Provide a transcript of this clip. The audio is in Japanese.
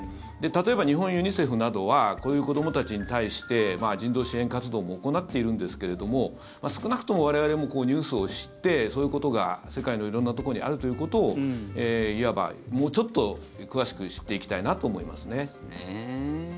例えば、日本ユニセフなどはこういう子どもたちに対して人道支援活動も行っているんですけれども少なくとも我々もニュースを知ってそういうことが世界の色んなところにあるということをいわば、もうちょっと詳しく知っていきたいなと思いますね。